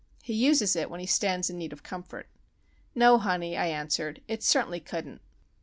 He uses it when he stands in need of comfort. "No, honey," I answered. "It certainly couldn't."